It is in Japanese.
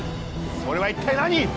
それは一体何？